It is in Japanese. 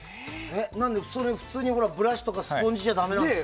それは普通にブラシとかスポンジじゃダメなんですか？